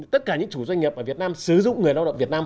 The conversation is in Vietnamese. tất cả những chủ doanh nghiệp ở việt nam sử dụng người lao động việt nam